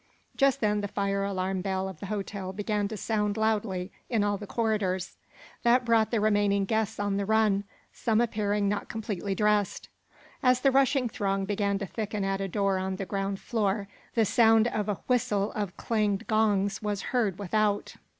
Just then the fire alarm bell of the hotel began to sound loudly in all the corridors. That brought the remaining guests on the run, some appearing not completely dressed. As the rushing throng began to thicken at a door on the ground floor the sound of a whistled of clanging gongs was heard without.